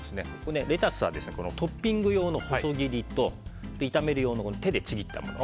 レタスはトッピング用の細切りと炒める用の手でちぎったもの